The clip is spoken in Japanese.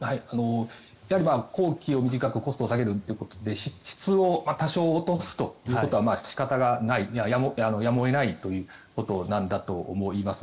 工期を短くコストを下げるということで質を多少落とすということは仕方がないやむを得ないということなんだと思います。